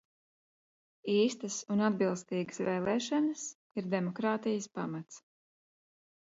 Īstas un atbilstīgas vēlēšanas ir demokrātijas pamats.